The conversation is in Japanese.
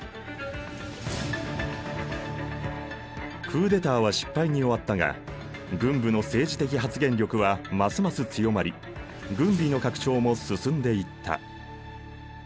クーデターは失敗に終わったが軍部の政治的発言力はますます強まり軍備の拡張も進んでいった。